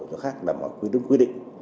nó khác là một quy đức quy định